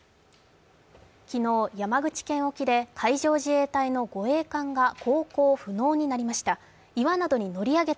昨日、山口県沖で海上自衛隊の護衛艦が航行不能になりました。